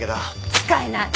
使えない！